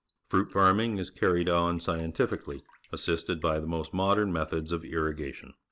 Fruit farming is carried on scientifically, assisted by the most modern methods of irrigation.